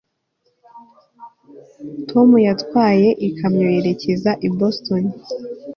tom yatwaye ikamyo yerekeza i boston